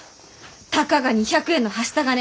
たかが２００円のはした金